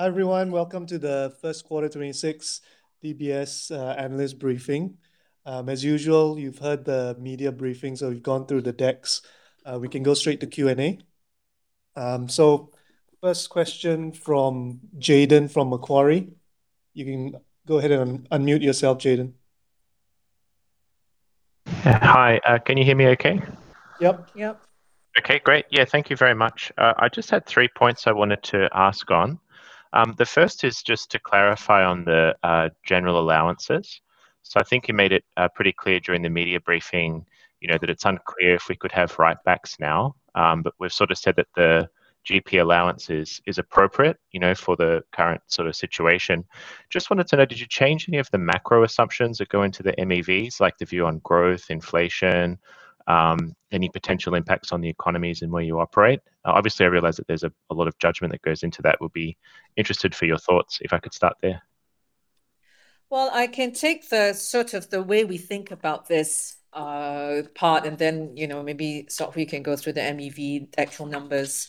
Hi, everyone. Welcome to the first quarter 2026 DBS analyst briefing. As usual, you've heard the media briefings, so we've gone through the decks. We can go straight to Q&A. First question from Jayden from Macquarie. You can go ahead and unmute yourself, Jayden. Yeah. Hi, can you hear me okay? Yep. Yep. Okay, great. Yeah, thank you very much. I just had three points I wanted to ask on. The first is just to clarify on the general allowances. I think you made it pretty clear during the media briefing, you know, that it's unclear if we could have write-backs now. We've sort of said that the GP allowance is appropriate, you know, for the current sort of situation. Just wanted to know, did you change any of the macro assumptions that go into the MEVs, like the view on growth, inflation, any potential impacts on the economies in where you operate? Obviously, I realize that there's a lot of judgment that goes into that. Would be interested for your thoughts, if I could start there. Well, I can take the sort of the way we think about this part and then, you know, maybe Sok Hui can go through the MEV actual numbers.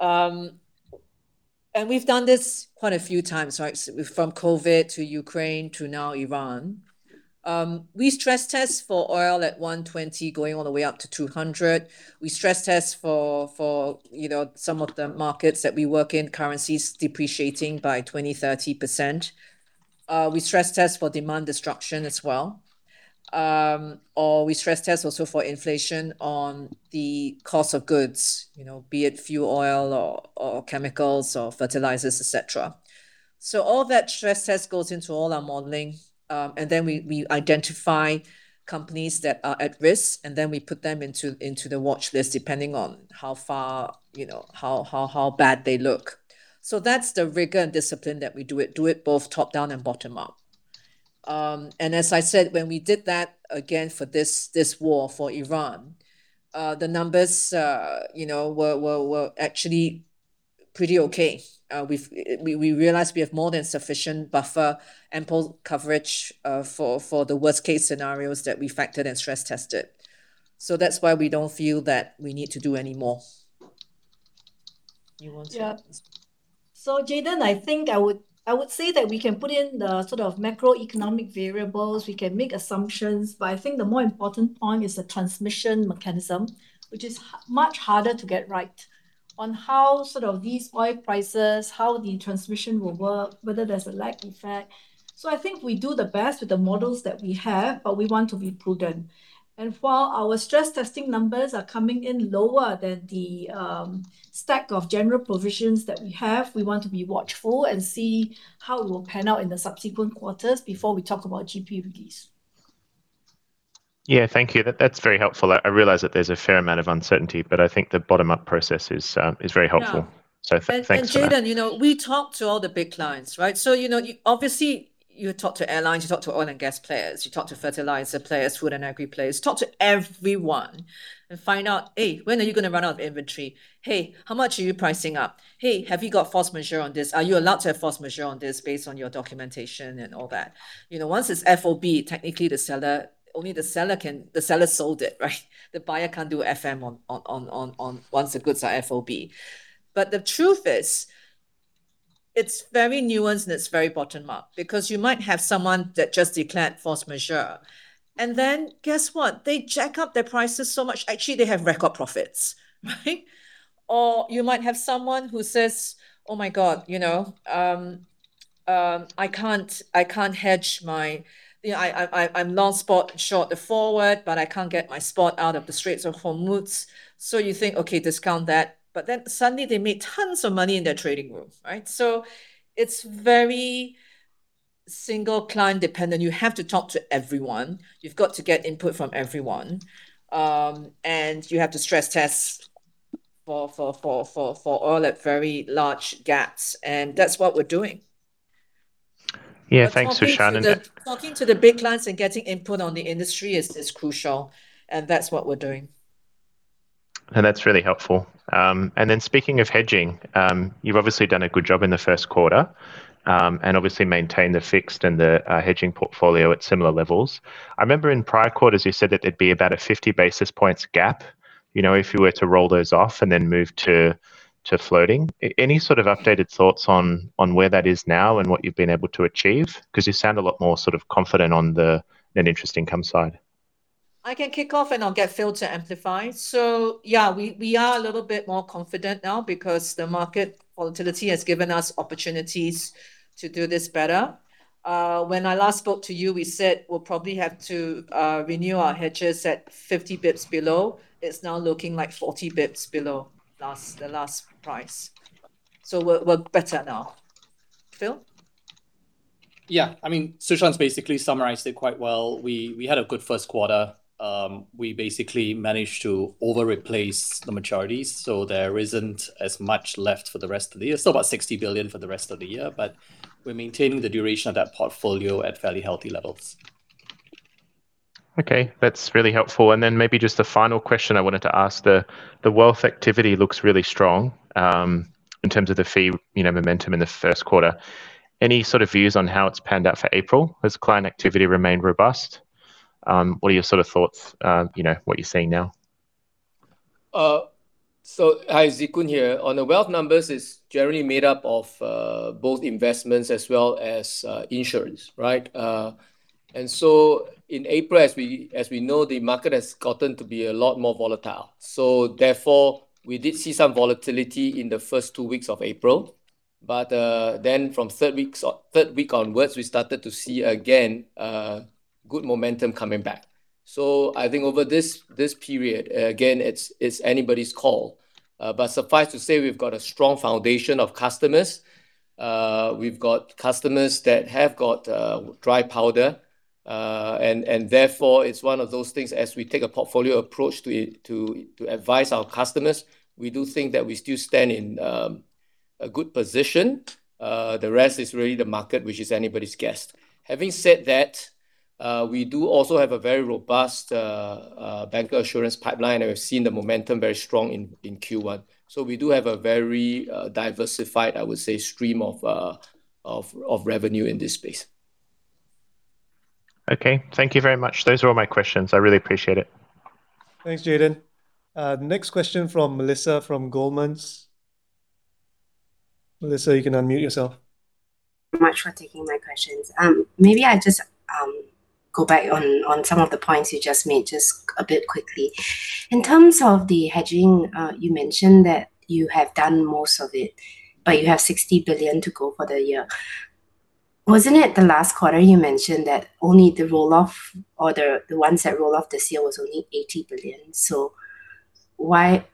We've done this quite a few times, right? from COVID to Ukraine to now Iran. We stress-test for oil at 120 going all the way up to 200. We stress-test for, you know, some of the markets that we work in, currencies depreciating by 20%, 30%. We stress-test for demand destruction as well. We stress-test also for inflation on the cost of goods, you know, be it fuel oil or chemicals or fertilizers, et cetera. All that stress-test goes into all our modeling, and then we identify companies that are at risk, and then we put them into the watch list depending on how far, you know, how bad they look. That's the rigor and discipline that we do it both top-down and bottom-up. As I said, when we did that again for this war, for Iran, the numbers, you know, were actually pretty okay. We've realized we have more than sufficient buffer and full coverage for the worst case scenarios that we factored and stress-tested. That's why we don't feel that we need to do any more. Yeah. Jayden, I think I would say that we can put in the sort of macroeconomic variables, we can make assumptions, but I think the more important point is the transmission mechanism, which is much harder to get right on how sort of these oil prices, how the transmission will work, whether there's a lag effect. I think we do the best with the models that we have, but we want to be prudent. While our stress-testing numbers are coming in lower than the stack of general provisions that we have, we want to be watchful and see how it will pan out in the subsequent quarters before we talk about GP release. Yeah. Thank you. That's very helpful. I realize that there's a fair amount of uncertainty, but I think the bottom-up process is very helpful. Yeah. Thanks for that. Jayden, you know, we talk to all the big clients, right? You know, obviously, you talk to airlines, you talk to oil and gas players, you talk to fertilizer players, food and agri players, talk to everyone and find out, "Hey, when are you gonna run out of inventory? Hey, how much are you pricing up? Hey, have you got force majeure on this? Are you allowed to have force majeure on this based on your documentation?" and all that. You know, once it's FOB, technically the seller, only the seller can The seller sold it, right? The buyer can't do FM on once the goods are FOB. The truth is, it's very nuanced and it's very bottom-up because you might have someone that just declared force majeure, and then guess what? They jack up their prices so much, actually, they have record profits, right? You might have someone who says, "Oh, my God, you know, I can't. You know, I'm long spot and short the forward, but I can't get my spot out of the Strait of Hormuz." You think, okay, discount that, but then suddenly they made tons of money in their trading room, right? It's very single client dependent. You have to talk to everyone. You've got to get input from everyone. You have to stress-test for oil at very large gaps, and that's what we're doing. Yeah. Thanks, Su Shan. Talking to the big clients and getting input on the industry is crucial. That's what we're doing. That's really helpful. Speaking of hedging, you've obviously done a good job in the first quarter and obviously maintained the fixed and the hedging portfolio at similar levels. I remember in prior quarters, you said that there'd be about a 50 basis points gap, you know, if you were to roll those off and then move to floating. Any sort of updated thoughts on where that is now and what you've been able to achieve? 'Cause you sound a lot more sort of confident on the net interest income side. I can kick off, and I'll get Phil to amplify. Yeah, we are a little bit more confident now because the market volatility has given us opportunities to do this better. When I last spoke to you, we said we'll probably have to renew our hedges at 50 basis points below. It's now looking like 40 basis points below the last price. We're better now. Phil? Yeah. I mean, Su Shan's basically summarized it quite well. We had a good first quarter. We basically managed to over-replace the maturities, so there isn't as much left for the rest of the year. Still about 60 billion for the rest of the year, but we're maintaining the duration of that portfolio at fairly healthy levels. Okay. That's really helpful. Maybe just a final question I wanted to ask. The wealth activity looks really strong in terms of the fee, you know, momentum in the first quarter. Any sort of views on how it's panned out for April? Has client activity remained robust? What are your sort of thoughts, you know, what you're seeing now? Hi, Hou Zikun here. On the wealth numbers, it's generally made up of both investments as well as insurance, right? In April, as we know, the market has gotten to be a lot more volatile. Therefore, we did see some volatility in the first two weeks of April, but then from third week onwards, we started to see again good momentum coming back. I think over this period, again, it's anybody's call. Suffice to say, we've got a strong foundation of customers. We've got customers that have got dry powder. Therefore, it's one of those things as we take a portfolio approach to advise our customers, we do think that we still stand in a good position. The rest is really the market, which is anybody's guess. Having said that, we do also have a very robust bancassurance pipeline, and we've seen the momentum very strong in Q1. We do have a very diversified, I would say, stream of revenue in this space. Okay. Thank you very much. Those were all my questions. I really appreciate it. Thanks, Jayden. Next question from Melissa from Goldmans. Melissa, you can unmute yourself. Thank you very much for taking my questions. Maybe I just go back on some of the points you just made just a bit quickly. In terms of the hedging, you mentioned that you have done most of it, but you have 60 billion to go for the year. Wasn't it the last quarter you mentioned that only the roll-off or the ones that roll off this year was only 80 billion? Why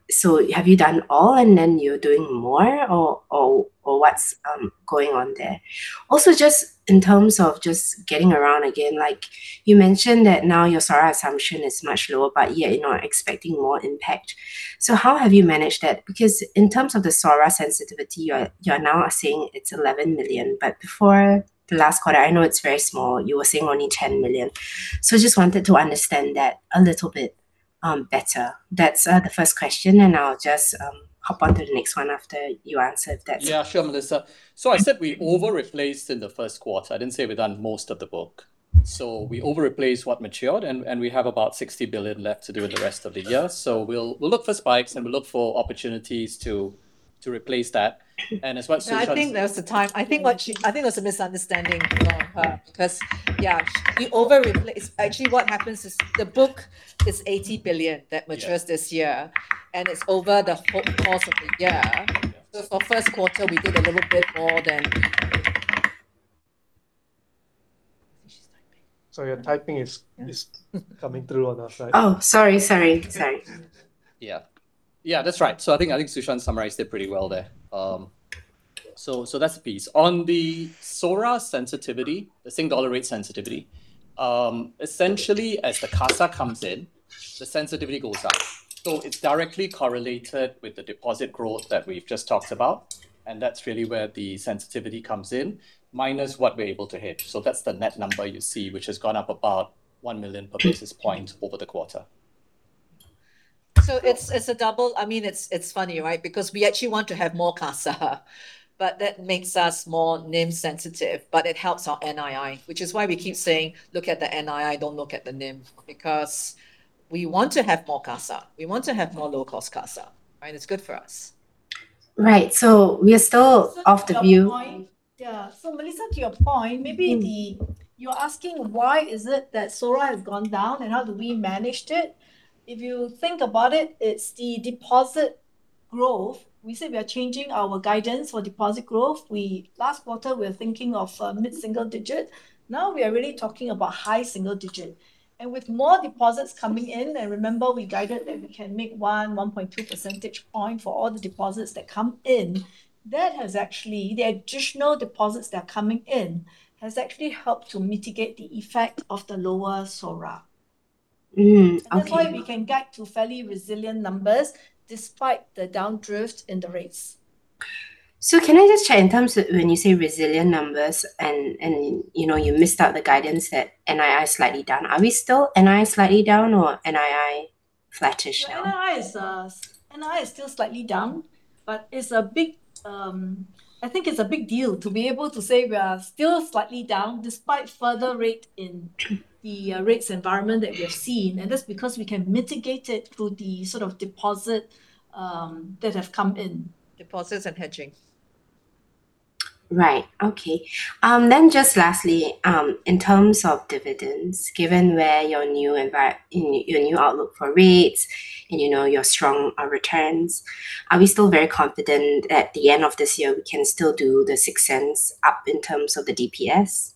have you done all and then you're doing more or what's going on there? Just in terms of just getting around again, like you mentioned that now your SORA assumption is much lower, but yet you're not expecting more impact. How have you managed that? Because in terms of the SORA sensitivity, you're now saying it's 11 million, but before the last quarter, I know it's very small, you were saying only 10 million. Just wanted to understand that a little bit better. That's the first question, I'll just hop on to the next one after you answered that. Yeah, sure, Melissa. I said we over-replaced in the first quarter. I didn't say we've done most of the book. We over-replaced what matured, and we have about 60 billion left to do in the rest of the year. We'll look for spikes, and we'll look for opportunities to replace that. As what Su Shan said. No, I think there's a misunderstanding from her because yeah, we over-replace. Actually, what happens is the book is 80 billion that matures. Yeah. this year, and it's over the whole course of the year. Yeah. For first quarter, we did a little bit more than. I think she's typing. Sorry, your typing is coming through on our side. Oh, sorry. Yeah. Yeah, that's right. I think Su Shan summarized it pretty well there. That's the piece. On the SORA sensitivity, the sing dollar rate sensitivity, essentially as the CASA comes in, the sensitivity goes up. It's directly correlated with the deposit growth that we've just talked about, and that's really where the sensitivity comes in, minus what we're able to hedge. That's the net number you see, which has gone up about 1 million per basis point over the quarter. I mean, it's funny, right? We actually want to have more CASA, but that makes us more NIM sensitive, but it helps our NII, which is why we keep saying, "Look at the NII, don't look at the NIM." We want to have more CASA. We want to have more low-cost CASA, right? It's good for us. Right. We are still of the view. To your point. Melissa, to your point, You are asking why is it that SORA has gone down, how do we manage it. If you think about it's the deposit growth. We said we are changing our guidance for deposit growth. Last quarter, we were thinking of mid-single digit. Now we are really talking about high single digit. With more deposits coming in, and remember we guided that we can make 1.2 percentage point for all the deposits that come in, the additional deposits that are coming in, has actually helped to mitigate the effect of the lower SORA. Mm-hmm. Okay. That's why we can get to fairly resilient numbers despite the downdrift in the rates. Can I just check in terms of when you say resilient numbers and, you know, you missed out the guidance that NII is slightly down. Are we still NII slightly down or NII flat to show? NII is still slightly down, but I think it's a big deal to be able to say we are still slightly down despite further rate in the rates environment that we have seen, and that's because we can mitigate it through the sort of deposit that have come in. Deposits and hedging. Right. Okay. Just lastly, in terms of dividends, given where your new outlook for rates and you know your strong returns, are we still very confident at the end of this year we can still do the 0.06 up in terms of the DPS?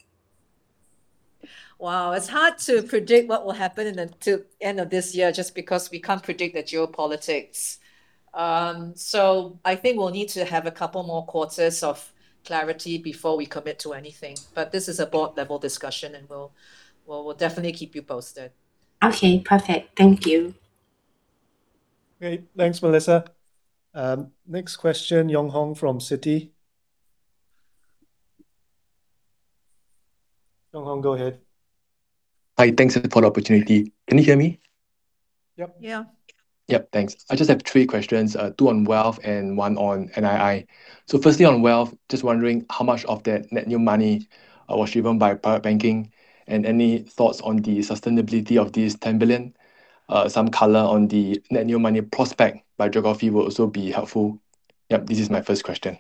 Wow. It's hard to predict what will happen in the end of this year just because we can't predict the geopolitics. I think we'll need to have a couple more quarters of clarity before we commit to anything. This is a board-level discussion, and we'll definitely keep you posted. Okay. Perfect. Thank you. Great. Thanks, Melissa. Next question, Yong Hong from Citi. Yong Hong, go ahead. Hi. Thanks for the opportunity. Can you hear me? Yep. Yeah. Yep. Thanks. I just have three questions, two on wealth and one on NII. Firstly on wealth, just wondering how much of that net new money was driven by private banking? Any thoughts on the sustainability of this 10 billion? Some color on the net new money prospect by geography will also be helpful. Yep, this is my first question.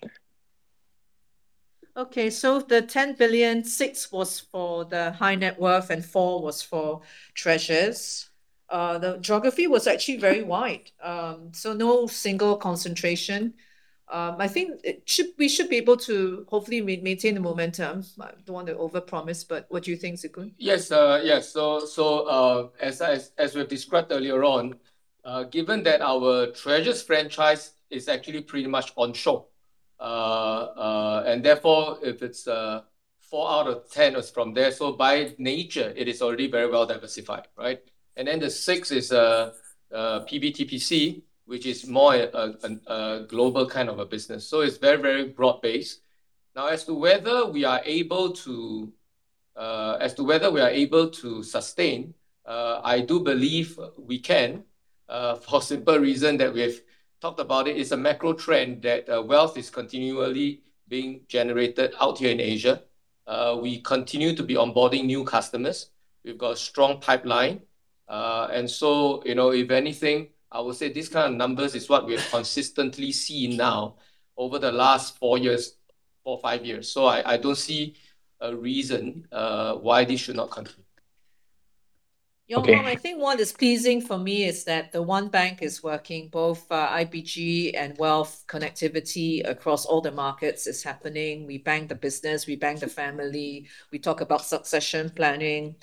Okay. The 10 billion, 6 was for the high net worth and 4 was for Treasures. The geography was actually very wide. No single concentration. I think we should be able to hopefully maintain the momentum. I don't want to overpromise, but what do you think, Zikun? Yes. Yes. As we've described earlier on, given that our Treasures franchise is actually pretty much on show, and therefore if it's four out of 10 is from there, by nature it is already very well diversified, right. Then the six is PB/TPC, which is more a global kind of a business. It's very, very broad-based. As to whether we are able to, as to whether we are able to sustain, I do believe we can, for simple reason that we've talked about it. It's a macro trend that wealth is continually being generated out here in Asia. We continue to be onboarding new customers. We've got a strong pipeline. You know, if anything, I would say this kind of numbers is what we are consistently seeing now over the last four years or five years. I don't see a reason why this should not continue. Yong Hong, I think what is pleasing for me is that the one bank is working both, IBG and wealth connectivity across all the markets is happening. We bank the business, we bank the family, we talk about succession planning.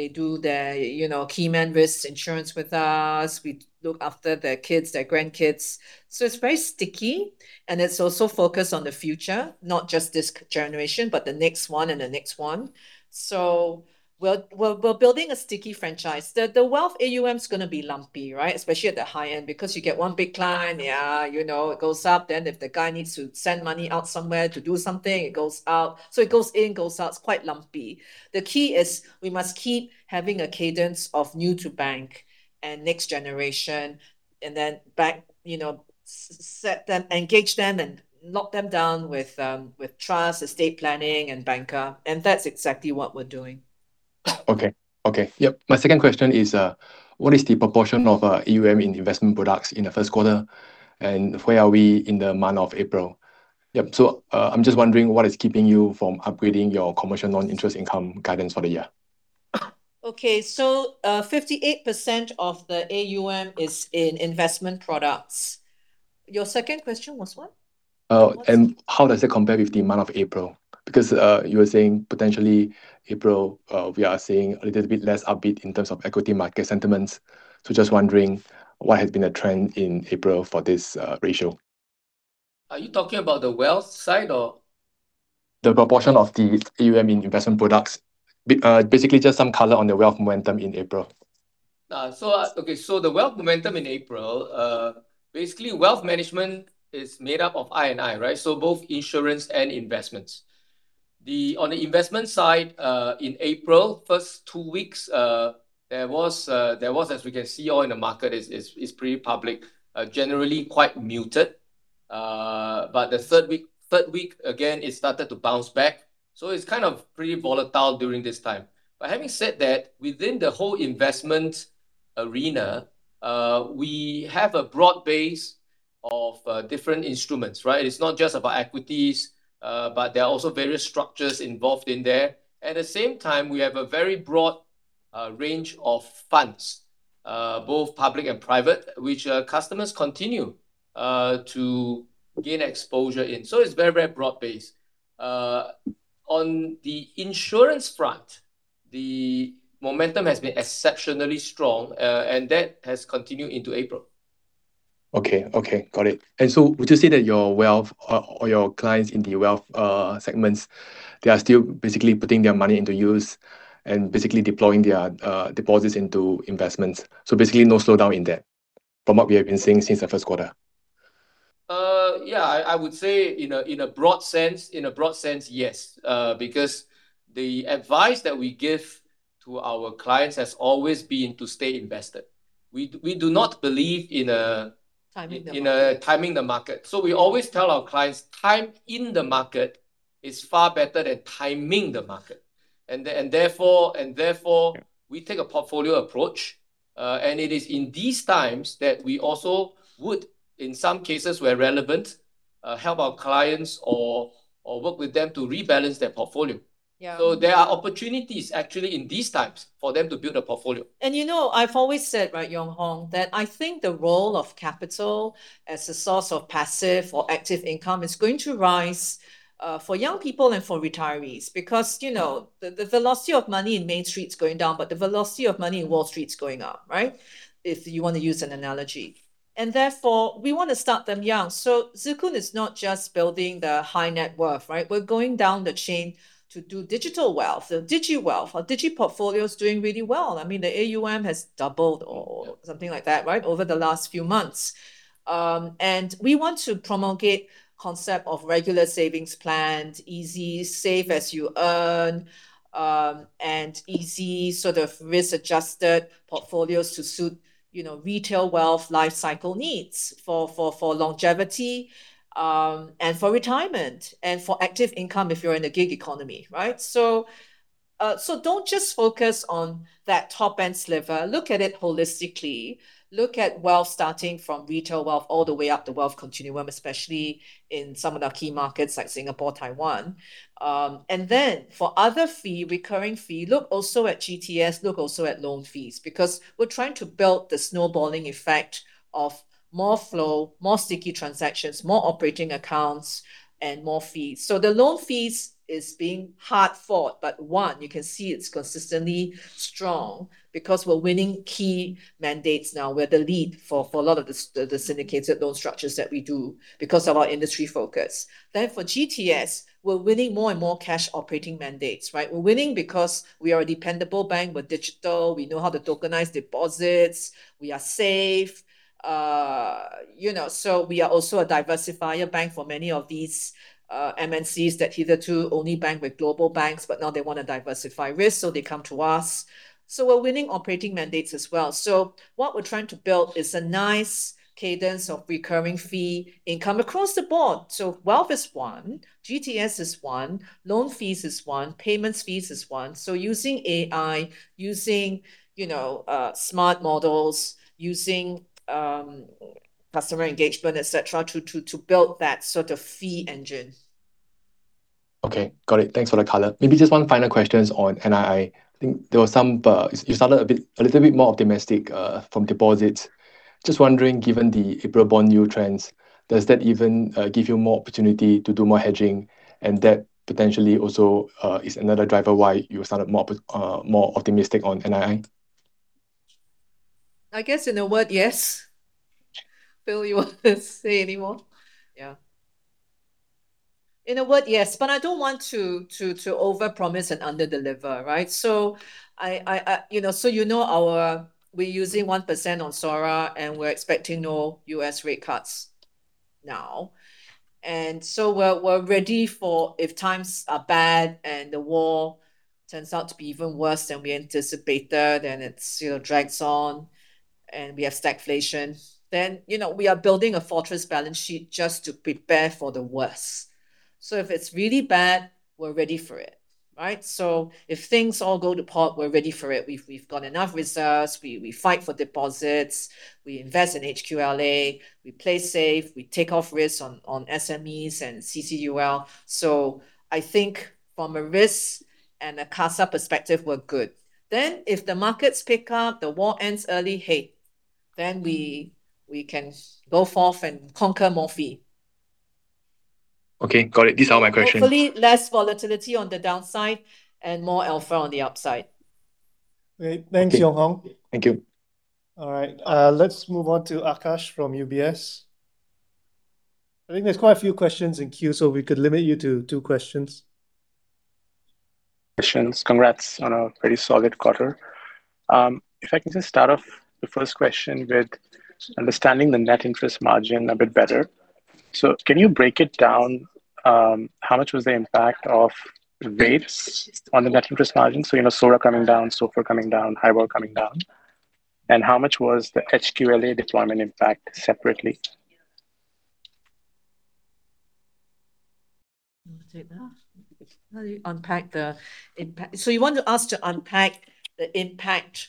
They do their, you know, key man risks insurance with us. We look after their kids, their grandkids. It's very sticky, and it's also focused on the future, not just this generation, but the next one and the next one. We're building a sticky franchise. The wealth AUM's gonna be lumpy, right? Especially at the high end because you get one big client, yeah, you know, it goes up. If the guy needs to send money out somewhere to do something, it goes out. It goes in, goes out. It's quite lumpy. The key is we must keep having a cadence of new to bank and next generation and then you know, set them, engage them, and lock them down with trust, estate planning, and banker. That's exactly what we're doing. Okay. Okay. Yep. My second question is, what is the proportion of AUM in investment products in the first quarter, and where are we in the month of April? Yep. I'm just wondering what is keeping you from upgrading your commercial non-interest income guidance for the year? Okay. 58% of the AUM is in investment products. Your second question was what? How does it compare with the month of April? You were saying potentially April, we are seeing a little bit less upbeat in terms of equity market sentiments, just wondering what has been the trend in April for this ratio. Are you talking about the wealth side or? The proportion of the AUM in investment products. Basically just some color on the wealth momentum in April. The wealth momentum in April, basically wealth management is made up of I&I, right? Both insurance and investments. On the investment side, in April, first two weeks, there was, as we can see all in the market is pretty public, generally quite muted. The third week, again, it started to bounce back, it's kind of pretty volatile during this time. Having said that, within the whole investment arena, we have a broad base of different instruments, right? It's not just about equities, but there are also various structures involved in there. At the same time, we have a very broad range of funds, both public and private, which customers continue to gain exposure in. It's very broad base. On the insurance front, the momentum has been exceptionally strong, and that has continued into April. Okay. Okay. Got it. Would you say that your wealth or your clients in the wealth segments, they are still basically putting their money into use and basically deploying their deposits into investments? Basically no slowdown in that from what we have been seeing since the first quarter. Yeah, I would say in a broad sense, yes. Because the advice that we give to our clients has always been to stay invested. We do not believe in. Timing the market... in timing the market. We always tell our clients, time in the market is far better than timing the market. Yeah We take a portfolio approach. It is in these times that we also would, in some cases where relevant, help our clients or work with them to rebalance their portfolio. Yeah. There are opportunities actually in these times for them to build a portfolio. You know, I've always said, right, Yong Hong, that I think the role of capital as a source of passive or active income is going to rise for young people and for retirees because, you know, the velocity of money in Main Street is going down, but the velocity of money in Wall Street is going up, right? If you want to use an analogy. Therefore we want to start them young. Zikun is not just building the high net worth, right? We're going down the chain to do digital wealth. The digiWealth, our digiPortfolio is doing really well. I mean, the AUM has doubled or something like that, right, over the last few months. We want to promulgate concept of regular savings plans, easy save as you earn, and easy sort of risk-adjusted portfolios to suit, you know, retail wealth life cycle needs for, for longevity, and for retirement, and for active income if you're in a gig economy, right? Don't just focus on that top-end sliver. Look at it holistically. Look at wealth starting from retail wealth all the way up the wealth continuum, especially in some of the key markets like Singapore, Taiwan. Then for other fee, recurring fee, look also at GTS, look also at loan fees because we're trying to build the snowballing effect of more flow, more sticky transactions, more operating accounts, and more fees. The loan fees is being hard fought, but one, you can see it's consistently strong because we're winning key mandates now. We're the lead for a lot of the syndicates at those structures that we do because of our industry focus. For GTS, we're winning more and more cash operating mandates, right? We're winning because we are a dependable bank. We're digital. We know how to tokenize deposits. We are safe. You know, we are also a diversifier bank for many of these MNCs that hitherto only bank with global banks, but now they wanna diversify risk, so they come to us. We're winning operating mandates as well. What we're trying to build is a nice cadence of recurring fee income across the board. Wealth is one, GTS is one, loan fees is one, payments fees is one. Using AI, using, you know, smart models, using, customer engagement, et cetera to build that sort of fee engine. Okay. Got it. Thanks for the color. Maybe just one final questions on NII. I think there were some, you sounded a little bit more optimistic from deposits. Just wondering, given the April bond yield trends, does that even give you more opportunity to do more hedging, and that potentially also is another driver why you sounded more optimistic on NII? I guess in a word, yes. Phil, you want to say any more? Yeah. In a word, yes, but I don't want to overpromise and underdeliver, right? I, you know, so you know we're using 1% on SORA, and we're expecting no U.S. rate cuts now. We're ready for if times are bad and the war turns out to be even worse than we anticipated, and it still drags on, and we have stagflation, then, you know, we are building a fortress balance sheet just to prepare for the worst. If it's really bad, we're ready for it, right? If things all go to pot, we're ready for it. We've got enough reserves. We fight for deposits. We invest in HQLA. We play safe. We take off risks on SMEs and CCUL. I think from a risk and a CASA perspective, we're good. If the markets pick up, the war ends early, hey, then we can go forth and conquer more fee. Okay. Got it. These are my question. Hopefully less volatility on the downside and more alpha on the upside. Great. Thanks, Yong Hong. Thank you. All right. Let's move on to Akash from UBS. I think there's quite a few questions in queue, we could limit you to two questions. Questions. Congrats on a very solid quarter. If I can just start off the first question with understanding the net interest margin a bit better. Can you break it down, how much was the impact of rates on the net interest margin? You know, SORA coming down, SOFR coming down, HIBOR coming down. How much was the HQLA deployment impact separately? You wanna take that? You want us to unpack the impact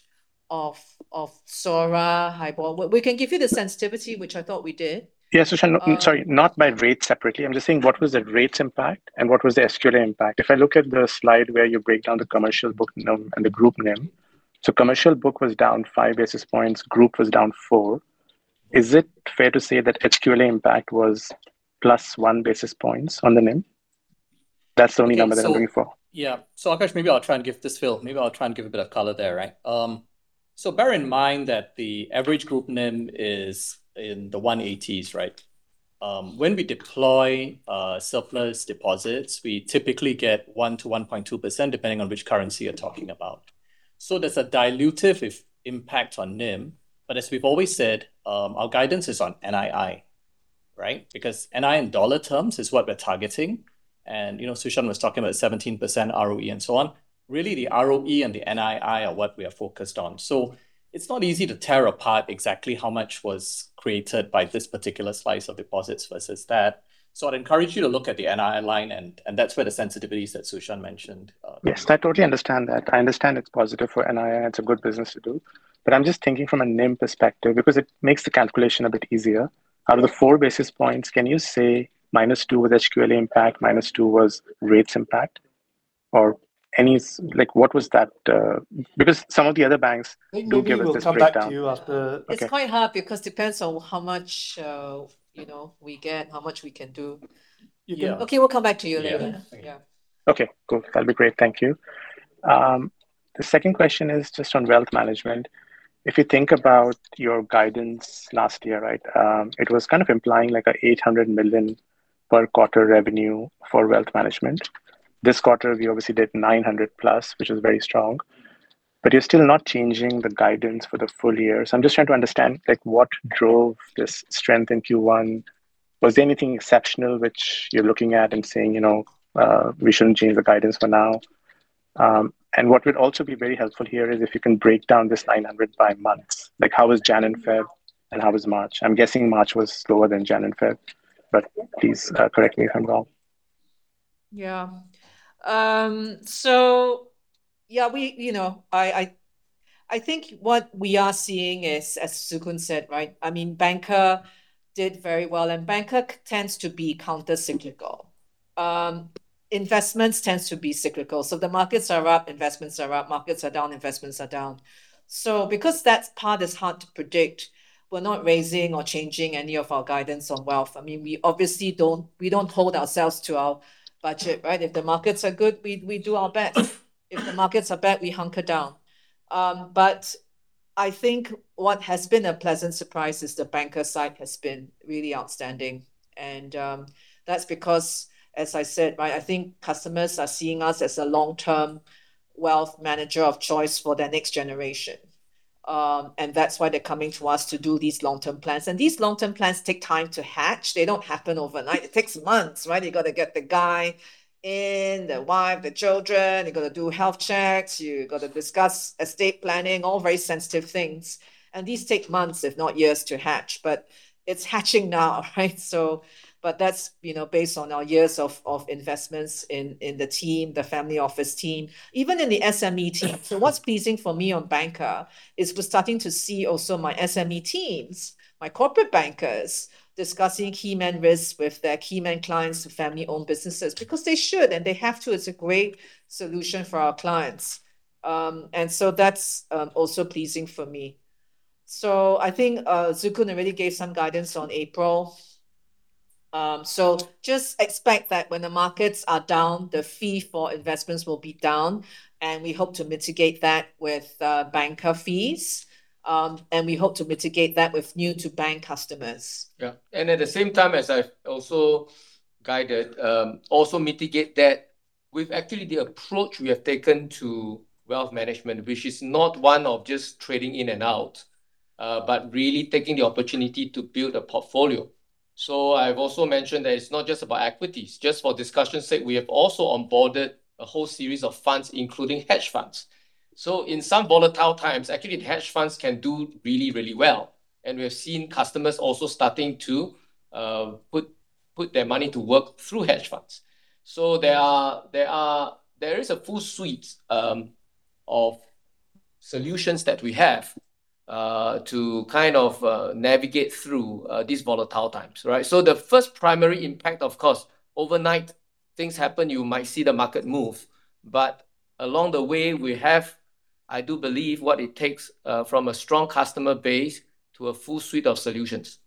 of SORA, HIBOR? We can give you the sensitivity, which I thought we did. Yes, Su Shan, I'm sorry, not by rate separately. I'm just saying what was the rates impact and what was the HQLA impact. If I look at the slide where you break down the commercial book NIM and the group NIM. Commercial book was down 5 basis points, group was down 4. Is it fair to say that HQLA impact was +1 basis points on the NIM? That's the only number that I'm looking for. Yeah. Akash, maybe I'll try and give this, Phil, maybe I'll try and give a bit of color there, right? Bear in mind that the average group NIM is in the one-eighties, right? When we deploy surplus deposits, we typically get 1%-1.2% depending on which currency you're talking about. There's a dilutive impact on NIM, but as we've always said, our guidance is on NII, right? Because NII in dollar terms is what we're targeting, and, you know, Su Shan was talking about 17% ROE and so on. Really, the ROE and the NII are what we are focused on. It's not easy to tear apart exactly how much was created by this particular slice of deposits versus that. I'd encourage you to look at the NII line, and that's where the sensitivities that Su Shan mentioned. Yes, I totally understand that. I understand it's positive for NII, and it's a good business to do. I'm just thinking from a NIM perspective because it makes the calculation a bit easier. Out of the 4 basis points, can you say -2 was HQLA impact, -2 was rates impact? Like, what was that? Because some of the other banks do give us this breakdown. Maybe we'll come back to you after. Okay. It's quite hard because depends on how much, you know, we get, how much we can do. Yeah. Okay. We'll come back to you later. Yeah. Okay, cool. That would be great. Thank you. The second question is just on wealth management. If you think about your guidance last year, right, it was kind of implying 800 million per quarter revenue for wealth management. This quarter, you obviously did 900+, which is very strong, but you are still not changing the guidance for the full year. I am just trying to understand what drove this strength in Q1. Was there anything exceptional which you are looking at and saying, you know, we shouldn't change the guidance for now? What would also be very helpful here is if you can break down this 900 by months. How was Jan and Feb? How was March? I am guessing March was slower than Jan and Feb, but please correct me if I am wrong. Yeah, we, you know, I, I think what we are seeing is, as Zikun said, right, I mean bancassurance did very well, and bancassurance tends to be countercyclical. Investments tends to be cyclical. The markets are up, investments are up. Markets are down, investments are down. Because that part is hard to predict, we're not raising or changing any of our guidance on wealth. I mean, we obviously don't hold ourselves to our budget, right? If the markets are good, we do our best. If the markets are bad, we hunker down. I think what has been a pleasant surprise is the bancassurance side has been really outstanding. That's because, as I said, right, I think customers are seeing us as a long-term wealth manager of choice for their next generation. That's why they're coming to us to do these long-term plans. These long-term plans take time to hatch. They don't happen overnight. It takes months, right? You gotta get the guy in, the wife, the children. You gotta do health checks. You gotta discuss estate planning, all very sensitive things. These take months, if not years, to hatch. It's hatching now, right? That's, you know, based on our years of investments in the team, the family office team, even in the SME team. What's pleasing for me on bancassurance is we're starting to see also my SME teams, my corporate bankers discussing keyman risks with their keyman clients to family-owned businesses because they should and they have to. It's a great solution for our clients. That's also pleasing for me. I think Zikun already gave some guidance on April. Just expect that when the markets are down, the fee for investments will be down, and we hope to mitigate that with bancassurance fees. We hope to mitigate that with new to bank customers. Yeah. At the same time, as I've also guided, also mitigate that with actually the approach we have taken to wealth management, which is not one of just trading in and out, but really taking the opportunity to build a portfolio. I've also mentioned that it's not just about equities. Just for discussion's sake, we have also onboarded a whole series of funds, including hedge funds. In some volatile times, actually the hedge funds can do really, really well. We have seen customers also starting to put their money to work through hedge funds. There is a full suite of solutions that we have to kind of navigate through these volatile times, right? The first primary impact, of course, overnight things happen, you might see the market move, but along the way, we have, I do believe, what it takes, from a strong customer base to a full suite of solutions.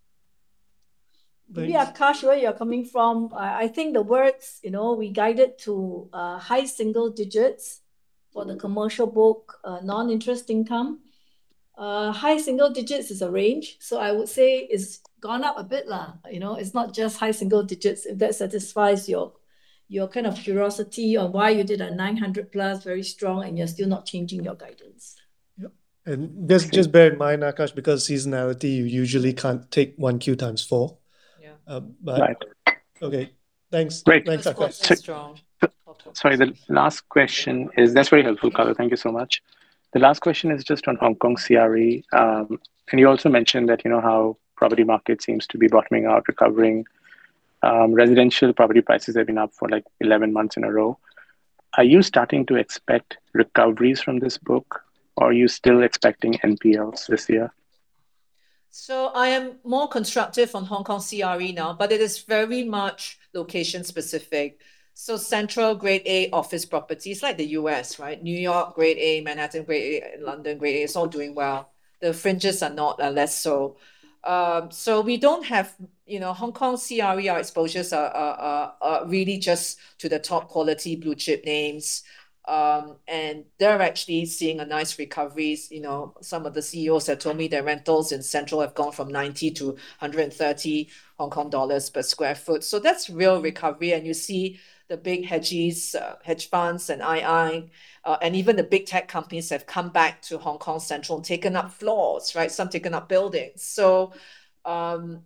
Maybe, Akash, where you're coming from, I think the words, you know, we guided to high single digits for the commercial book, non-interest income. High single digits is a range. I would say it's gone up a bit low. You know, it's not just high single digits. If that satisfies your kind of curiosity on why you did a 900+ very strong and you're still not changing your guidance. Yeah. Just, just bear in mind, Akash, because seasonality, you usually can't take 1 Qx4. Yeah. Um, but- Right. Okay. Thanks. Great. Thanks, Akash. That's quite strong. Sorry, the last question is. That's very helpful, color. Thank you so much. The last question is just on Hong Kong CRE. You also mentioned that you know how property market seems to be bottoming out, recovering. Residential property prices have been up for like 11 months in a row. Are you starting to expect recoveries from this book, or are you still expecting NPLs this year? I am more constructive on Hong Kong CRE now, but it is very much location specific. Central Grade A office properties like the U.S., right? New York, Grade A, Manhattan, Grade A, and London, Grade A, it's all doing well. The fringes are less so. We don't have, you know, Hong Kong CRE, our exposures are really just to the top quality blue chip names. They're actually seeing a nice recoveries. You know, some of the CEOs have told me their rentals in Central have gone from 90 to 130 Hong Kong dollars per sq ft. That's real recovery, you see the big hedge funds and II, even the big tech companies have come back to Hong Kong Central and taken up floors, some taken up buildings, right?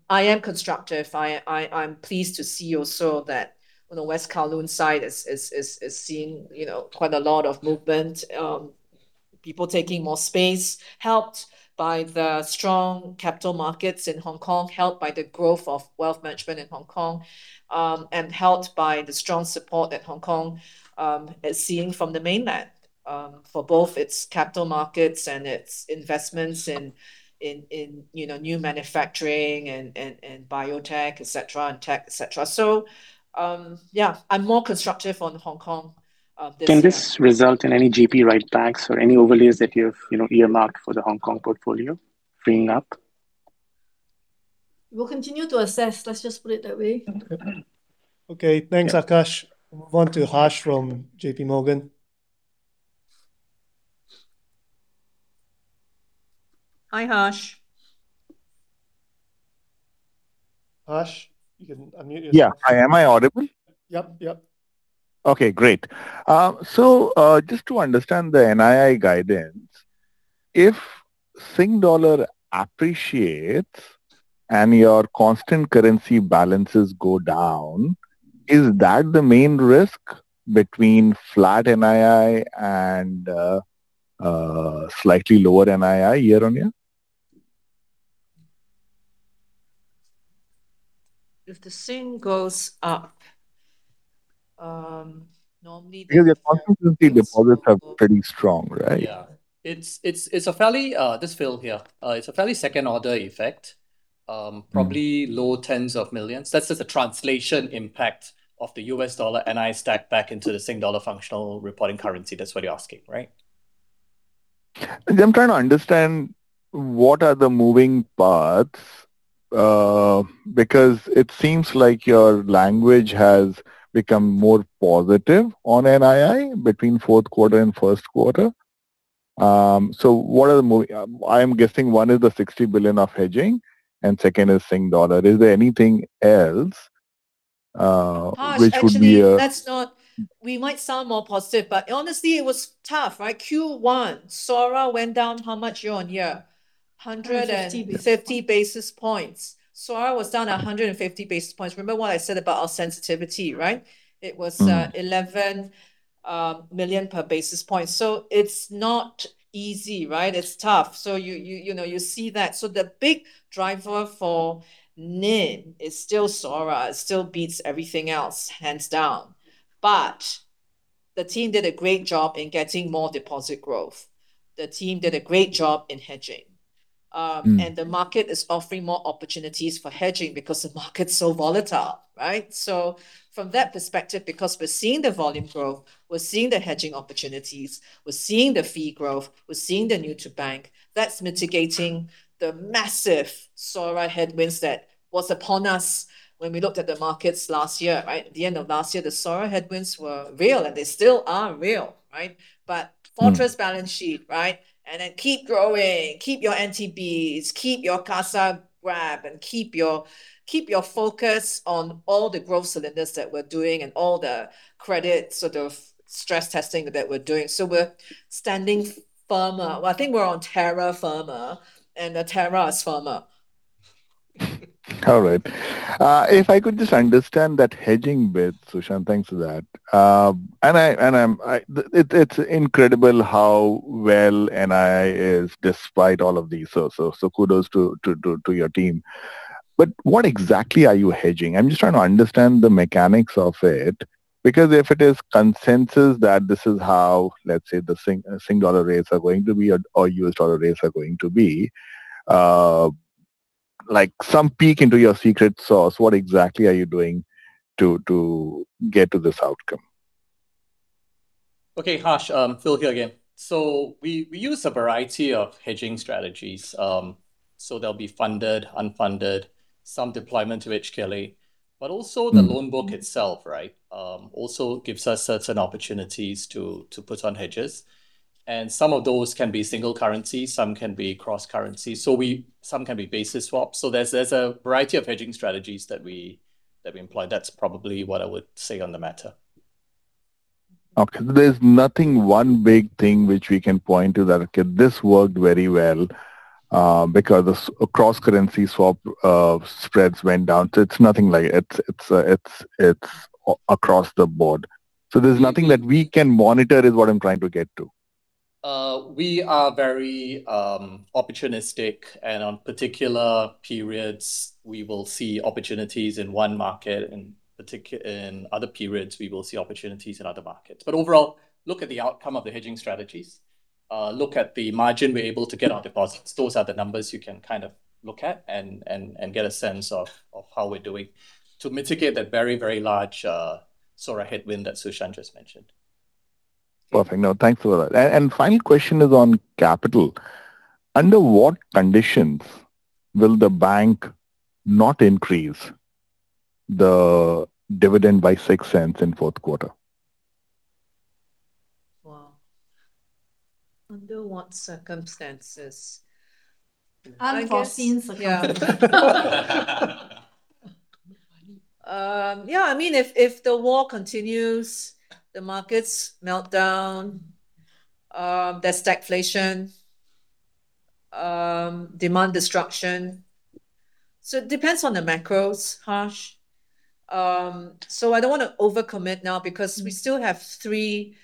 I am constructive. I'm pleased to see also that on the West Kowloon side is seeing, you know, quite a lot of movement. People taking more space, helped by the strong capital markets in Hong Kong, helped by the growth of wealth management in Hong Kong, and helped by the strong support that Hong Kong is seeing from the mainland for both its capital markets and its investments in, you know, new manufacturing and biotech, et cetera, and tech, et cetera. Yeah, I'm more constructive on Hong Kong. Can this result in any GP write backs or any overlays that you've, you know, earmarked for the Hong Kong portfolio freeing up? We'll continue to assess. Let's just put it that way. Okay. Okay, thanks, Akash. We'll move on to Harsh from JPMorgan. Hi, Harsh. Harsh, you can unmute yourself. Yeah. Hi, am I audible? Yep, yep. Okay, great. Just to understand the NII guidance, if Sing Dollar appreciates and your constant currency balances go down, is that the main risk between flat NII and slightly lower NII year-on-year? If the SGD goes up, normally Your constant currency deposits are pretty strong, right? Yeah. This is Phil here. It's a fairly second order effect. Mm-hmm... probably SGD low 10s of millions. That's just the translation impact of the USD NII stacked back into the SGD functional reporting currency. That's what you're asking, right? I'm trying to understand what are the moving parts, because it seems like your language has become more positive on NII between fourth quarter and first quarter. I'm guessing one is the 60 billion of hedging, and second is Sing Dollar. Is there anything else, which would be a- Harsh, actually. We might sound more positive, but honestly it was tough, right? Q1, SORA went down how much year-on-year? 150 150 basis points.... basis points. SORA was down 150 basis points. Remember what I said about our sensitivity, right? Mm 11 million per basis point. It's not easy, right? It's tough. You know, you see that. The big driver for NIM is still SORA. It still beats everything else hands down. The team did a great job in getting more deposit growth. The team did a great job in hedging. Mm The market is offering more opportunities for hedging because the market's so volatile, right? From that perspective, because we're seeing the volume growth, we're seeing the hedging opportunities, we're seeing the fee growth, we're seeing the new to bank, that's mitigating the massive SORA headwinds that was upon us when we looked at the markets last year, right? At the end of last year, the SORA headwinds were real, and they still are real, right? Fortress balance sheet, right? Keep growing, keep your NTBs, keep your CASA grab, and keep your focus on all the growth cylinders that we're doing and all the credit sort of stress testing that we're doing. We're standing firmer. Well, I think we're on terra firma, and the terra is firmer. All right. If I could just understand that hedging bit, Su Shan, thanks for that. It's incredible how well NII is despite all of these. Kudos to your team. What exactly are you hedging? I'm just trying to understand the mechanics of it because if it is consensus that this is how, let's say, the SGD rates are going to be or USD rates are going to be, like some peek into your secret sauce, what exactly are you doing to get to this outcome? Okay. Harsh, Phil here again. We use a variety of hedging strategies. They'll be funded, unfunded, some deployment to HQLA. Mm-hmm The loan book itself, right, also gives us certain opportunities to put on hedges, and some of those can be single currency, some can be cross currency. Some can be basis swap. There's a variety of hedging strategies that we employ. That's probably what I would say on the matter. Okay. There's nothing one big thing which we can point to that, okay, this worked very well, because a cross currency swap, spreads went down. It's nothing like it. It's across the board. Mm. There's nothing that we can monitor is what I'm trying to get to. We are very opportunistic, and on particular periods we will see opportunities in one market, in other periods we will see opportunities in other markets. Overall, look at the outcome of the hedging strategies, look at the margin we're able to get on deposits. Those are the numbers you can kind of look at and get a sense of how we're doing to mitigate that very large SORA headwind that Su Shan just mentioned. Perfect. No, thanks for that. Final question is on capital. Under what conditions will the bank not increase the dividend by 0.06 in fourth quarter? Wow. Under what circumstances? Unforeseen circumstances. I guess. Yeah, I mean, if the war continues, the markets melt down, there's stagflation, demand destruction. It depends on the macros, Harsh. I don't wanna overcommit now because we still have three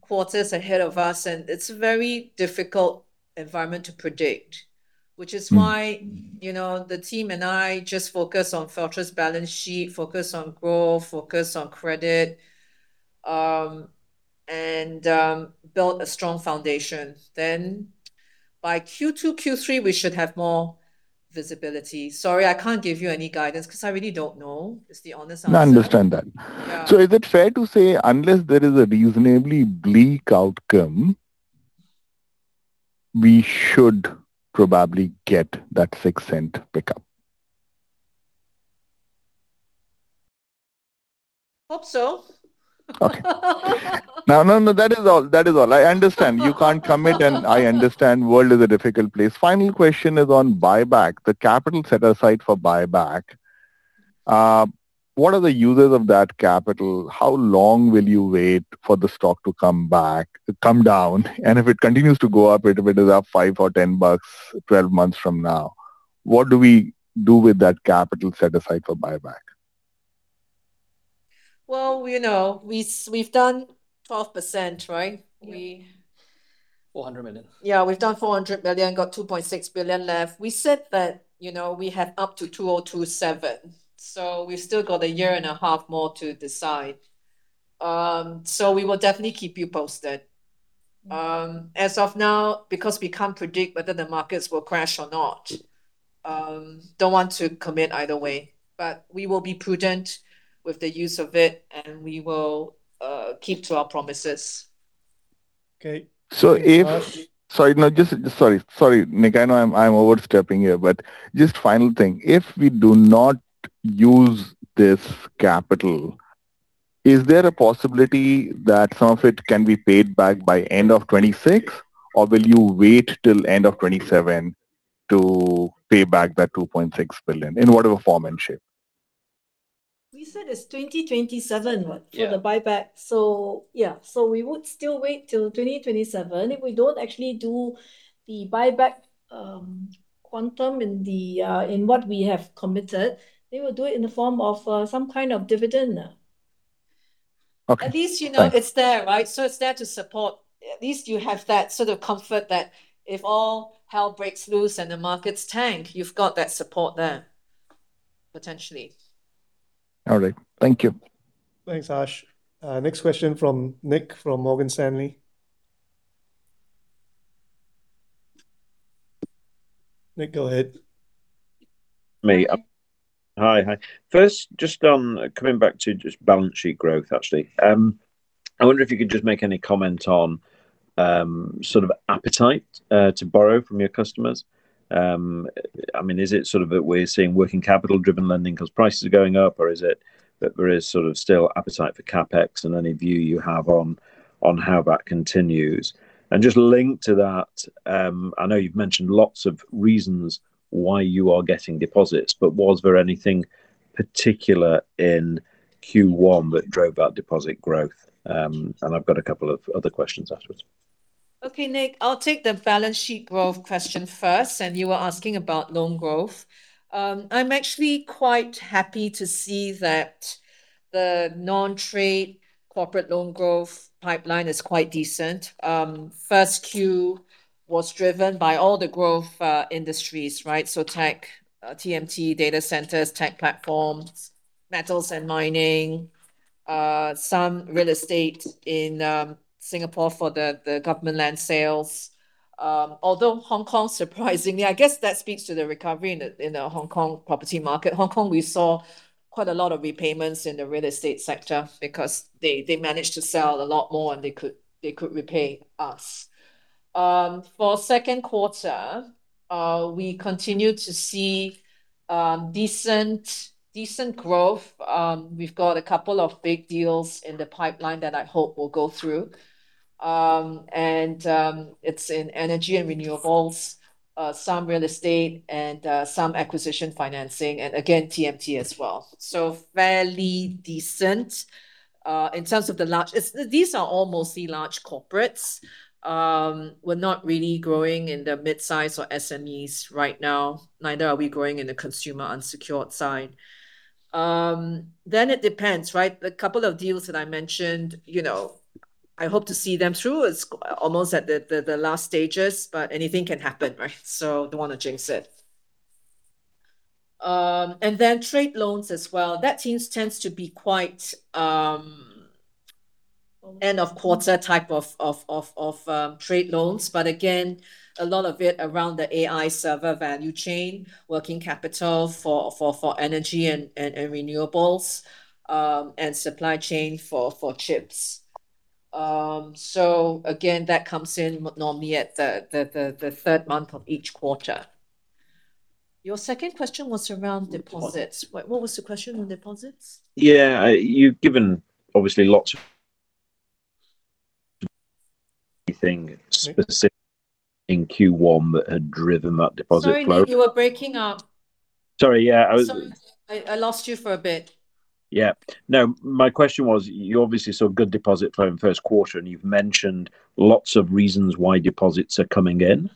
quarters ahead of us, and it's very difficult environment to predict, which is why. Mm You know, the team and I just focus on Fortress balance sheet, focus on growth, focus on credit, and build a strong foundation. By Q2, Q3, we should have more visibility. Sorry, I can't give you any guidance because I really don't know is the honest answer. No, I understand that. Yeah. Is it fair to say unless there is a reasonably bleak outcome, we should probably get that 0.06 pickup? Hope so. Okay. No, no. That is all. That is all. I understand. You can't commit, and I understand world is a difficult place. Final question is on buyback. The capital set aside for buyback, what are the uses of that capital? How long will you wait for the stock to come back, to come down? If it continues to go up, if it is up 5 or 10 bucks, 12 months from now, what do we do with that capital set aside for buyback? Well, you know, we've done 12%, right? 400 million. Yeah, we've done 400 million, got 2.6 billion left. We said that, you know, we had up to 2027. We've still got a year and a half more to decide. We will definitely keep you posted. As of now, because we can't predict whether the markets will crash or not, don't want to commit either way, but we will be prudent with the use of it, and we will keep to our promises. Okay. Sorry, no, just Sorry, Nick, I know I'm overstepping here, but just final thing. If we do not use this capital, is there a possibility that some of it can be paid back by end of 2026, or will you wait till end of 2027 to pay back that 2.6 billion, in whatever form and shape? We said it's 2027. Yeah... for the buyback, so yeah. We would still wait till 2027. If we don't actually do the buyback, quantum in the, in what we have committed, then we'll do it in the form of some kind of dividend. Okay. At least, you know, it's there, right? It's there to support. At least you have that sort of comfort that if all hell breaks loose and the markets tank, you've got that support there potentially. All right. Thank you. Thanks, Harsh. Next question from Nick from Morgan Stanley. Nick, go ahead. Me. Hi. Hi. First, just on coming back to just balance sheet growth, actually. I wonder if you could just make any comment on sort of appetite to borrow from your customers. I mean, is it sort of that we're seeing working capital driven lending because prices are going up, or is it that there is sort of still appetite for CapEx, and any view you have on how that continues? Just linked to that, I know you've mentioned lots of reasons why you are getting deposits, but was there anything particular in Q1 that drove that deposit growth? I've got a couple of other questions afterwards. Okay, Nick. I'll take the balance sheet growth question first. You were asking about loan growth. I'm actually quite happy to see that the non-trade corporate loan growth pipeline is quite decent. first Q was driven by all the growth industries, right? Tech, TMT, data centers, tech platforms, metals and mining, some real estate in Singapore for the government land sales. Hong Kong, surprisingly, I guess that speaks to the recovery in the Hong Kong property market. Hong Kong, we saw quite a lot of repayments in the real estate sector because they managed to sell a lot more and they could repay us. For second quarter, we continue to see decent growth. We've got a couple of big deals in the pipeline that I hope will go through. It's in energy and renewables, some real estate, and some acquisition financing, and again, TMT as well. Fairly decent. In terms of these are all mostly large corporates. We're not really growing in the midsize or SMEs right now, neither are we growing in the consumer unsecured side. It depends, right? The couple of deals that I mentioned, you know, I hope to see them through. It's almost at the last stages, but anything can happen, right? Don't want to jinx it. Trade loans as well. That teams tends to be quite end of quarter type of trade loans. A lot of it around the AI server value chain, working capital for energy and renewables, and supply chain for chips. Again, that comes in normally at the third month of each quarter. Your second question was around deposits. Wait, what was the question on deposits? You've given obviously anything specific in Q1 that had driven that deposit growth? Sorry, Nick, you were breaking up. Sorry. Yeah. Sorry. I lost you for a bit. Yeah. No, my question was, you obviously saw good deposit flow in first quarter, and you've mentioned lots of reasons why deposits are coming in,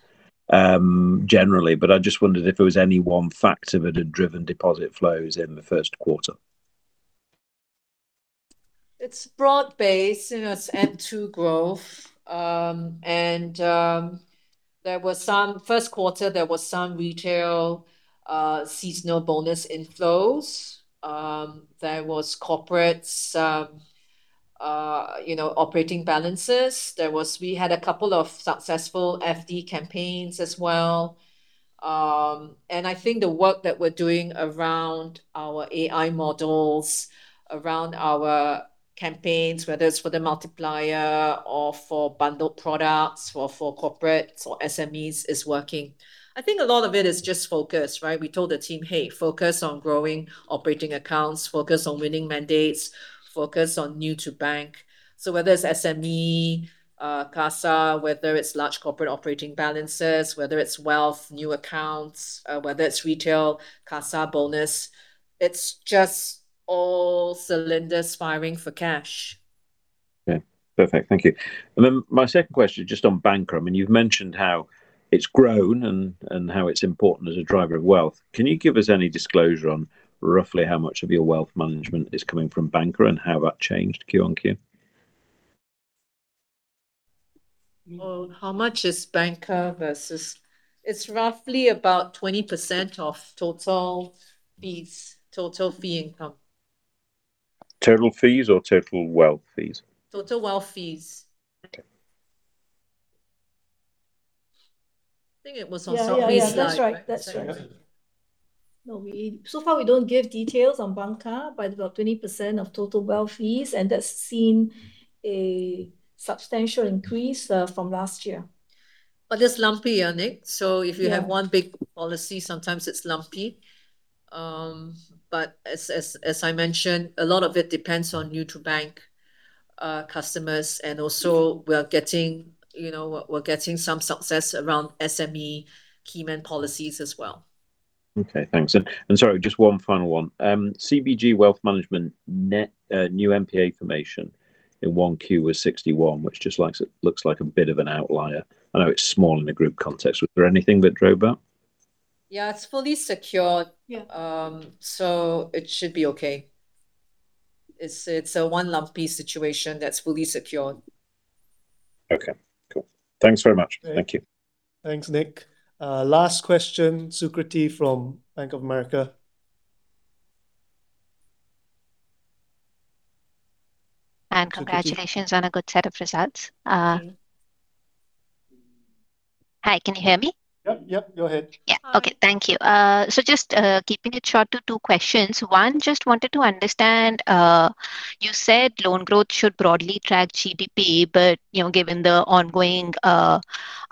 generally. I just wondered if there was any one factor that had driven deposit flows in the first quarter. It's broad-based in its NTB growth. First quarter, there was some retail, seasonal bonus inflows. There was corporates', you know, operating balances. We had 2 successful FD campaigns as well. I think the work that we're doing around our AI models, around our campaigns, whether it's for the Multiplier Account or for bundled products, for corporates or SMEs, is working. I think a lot of it is just focus, right? We told the team, "Hey, focus on growing operating accounts, focus on winning mandates, focus on new to bank." Whether it's SME, CASA, whether it's large corporate operating balances, whether it's wealth, new accounts, whether it's retail, CASA bonus, it's just all cylinders firing for cash. Yeah. Perfect. Thank you. My second question, just on bancassurance, I mean, you've mentioned how it's grown and how it's important as a driver of wealth. Can you give us any disclosure on roughly how much of your wealth management is coming from bancassurance and how that changed Q-on-Q? Well, how much is bancassurance versus? It's roughly about 20% of total fees, total fee income. Total fees or total wealth fees? Total wealth fees. Okay. I think it was. Yeah, yeah, that's right. That's right. Sok Hui's slide. So far we don't give details on bancassurance, but about 20% of total wealth fees, and that's seen a substantial increase from last year. It's lumpy, yeah, Nick. Yeah. If you have one big policy, sometimes it's lumpy. As I mentioned, a lot of it depends on new to bank customers, and also we are getting, you know, we're getting some success around SME keyman policies as well. Okay. Thanks. Sorry, just one final one. CBG Wealth Management net new NPA formation in 1Q was 61, which just looks like a bit of an outlier. I know it's small in the group context. Was there anything that drove that? Yeah, it's fully secured. Yeah. It should be okay. It's a one lumpy situation that's fully secured. Okay. Cool. Thanks very much. Yeah. Thank you. Thanks, Nick. Last question, Sukriti from Bank of America. Congratulations on a good set of results. Thank you. Hi, can you hear me? Yep, yep. Go ahead. Yeah. Okay. Thank you. Just keeping it short to two questions. One, just wanted to understand, you said loan growth should broadly track GDP, but, you know, given the ongoing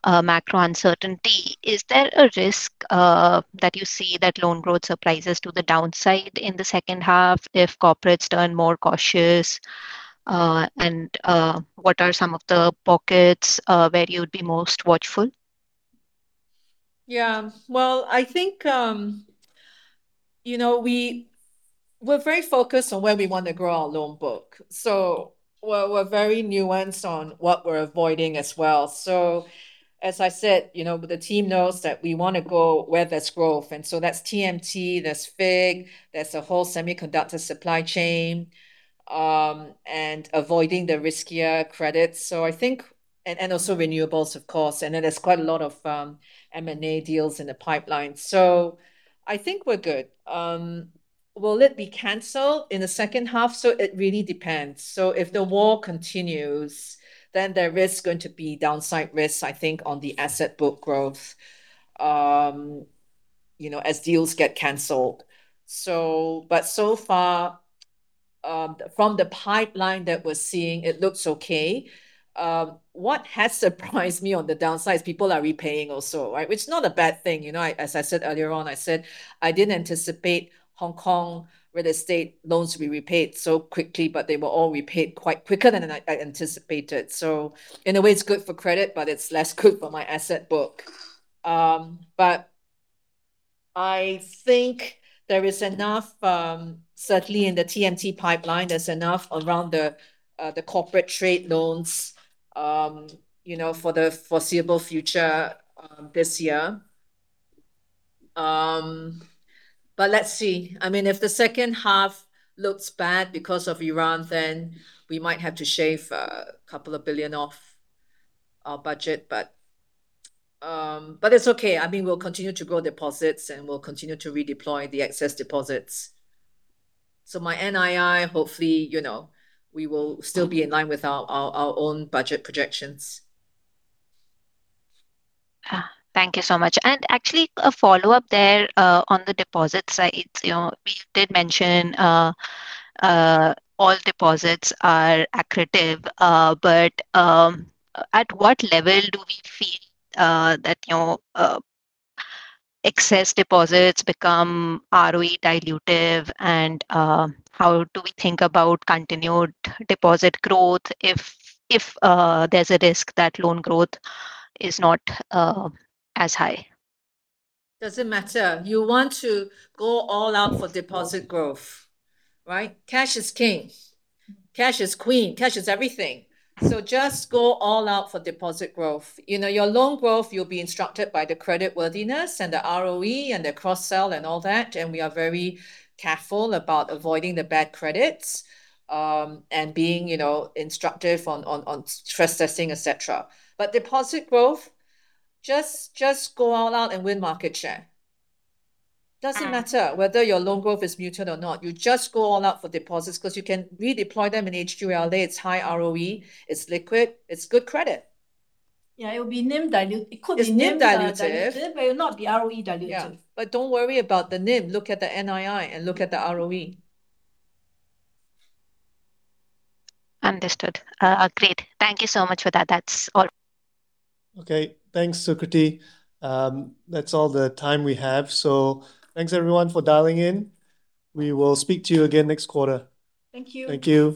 macro uncertainty, is there a risk that you see that loan growth surprises to the downside in the second half if corporates turn more cautious? What are some of the pockets where you'd be most watchful? Yeah. Well, I think, you know, we're very focused on where we want to grow our loan book. We're very nuanced on what we're avoiding as well. As I said, you know, the team knows that we want to go where there's growth, and that's TMT, there's FIG, there's a whole semiconductor supply chain, and avoiding the riskier credits. I think. Also renewables, of course. There's quite a lot of M&A deals in the pipeline. I think we're good. Will it be canceled in the second half? It really depends. If the war continues, then there is going to be downside risks, I think, on the asset book growth, you know, as deals get canceled. From the pipeline that we're seeing, it looks okay. What has surprised me on the downside is people are repaying also, right? Which is not a bad thing. You know, as I said earlier on, I said I didn't anticipate Hong Kong real estate loans to be repaid so quickly, but they were all repaid quite quicker than I anticipated. In a way, it's good for credit, but it's less good for my asset book. I think there is enough, certainly in the TMT pipeline, there's enough around the corporate trade loans, you know, for the foreseeable future, this year. Let's see. I mean, if the second half looks bad because of Iran, we might have to shave a couple of billion off our budget. It's okay. I mean, we'll continue to grow deposits, we'll continue to redeploy the excess deposits. My NII, hopefully, you know, we will still be in line with our own budget projections. Thank you so much. Actually a follow-up there on the deposit side. You know, we did mention all deposits are accretive, but at what level do we feel that, you know, excess deposits become ROE dilutive and how do we think about continued deposit growth if there's a risk that loan growth is not as high? Doesn't matter. You want to go all out for deposit growth, right? Cash is king. Cash is queen. Cash is everything. Just go all out for deposit growth. You know, your loan growth, you'll be instructed by the credit worthiness and the ROE and the cross-sell and all that, and we are very careful about avoiding the bad credits, and being, you know, instructive on stress testing, et cetera. Deposit growth, just go all out and win market share. Ah. doesn't matter whether your loan growth is muted or not. You just go all out for deposits because you can redeploy them in HQLA, it's high ROE, it's liquid, it's good credit. Yeah, it could be NIM dilutive. It's NIM dilutive. It will not be ROE dilutive. Yeah. Don't worry about the NIM. Look at the NII and look at the ROE. Understood. Great. Thank you so much for that. That's all. Okay. Thanks, Sukriti. That's all the time we have. Thanks everyone for dialing in. We will speak to you again next quarter. Thank you. Thank you.